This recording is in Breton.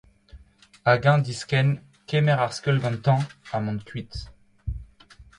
Hag eñ diskenn, kemer ar skeul gantañ, ha mont kuit.